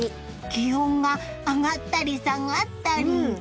気温が上がったり下がったり。